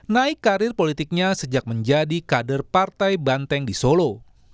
naik karir politiknya sejak menjadi kader partai banteng di solo